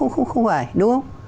không phải đúng không